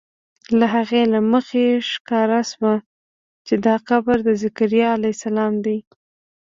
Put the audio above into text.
له هغې له مخې ښکاره شوه چې دا قبر د ذکریا علیه السلام دی.